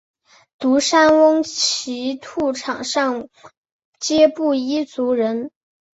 独山翁奇兔场上街布依族人。